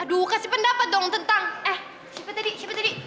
aduh kasih pendapat dong tentang eh siapa tadi siapa tadi